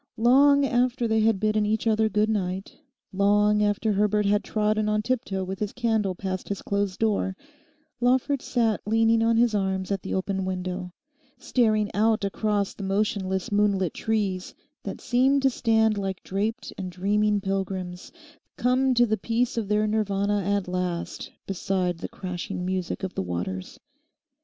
Long after they had bidden each other good night, long after Herbert had trodden on tiptoe with his candle past his closed door, Lawford sat leaning on his arms at the open window, staring out across the motionless moonlit trees that seemed to stand like draped and dreaming pilgrims, come to the peace of their Nirvana at last beside the crashing music of the waters.